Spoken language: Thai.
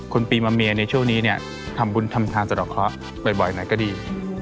ปีมะเมียในช่วงนี้เนี่ยทำบุญทำทานสะดอกเคราะห์บ่อยไหนก็ดี